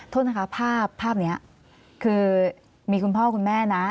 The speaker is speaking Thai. โทษนะคะภาพนี้คือมีคุณพ่อคุณแม่นะ